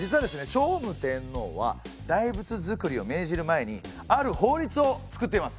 聖武天皇は大仏造りを命じる前にある法律を作っています。